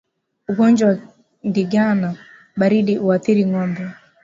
Ugonjwa wa ndigana baridi huathiri ngombe